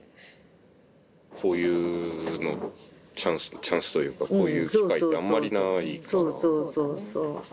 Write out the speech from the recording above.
こういうチャンスというかこういう機会ってあんまりないから。